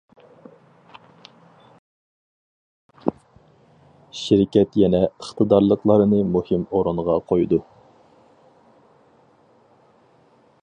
شىركەت يەنە ئىقتىدارلىقلارنى مۇھىم ئورۇنغا قويىدۇ.